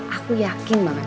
aku yakin banget